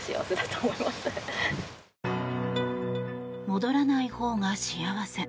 戻らないほうが幸せ。